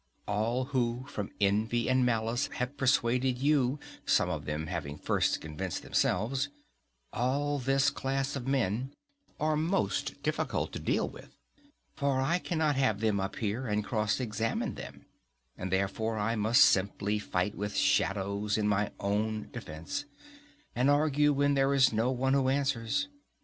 All who from envy and malice have persuaded you—some of them having first convinced themselves—all this class of men are most difficult to deal with; for I cannot have them up here, and cross examine them, and therefore I must simply fight with shadows in my own defence, and argue when there is no one who answers.